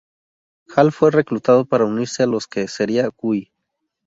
Hall fue reclutado para unirse a los que sería Guy.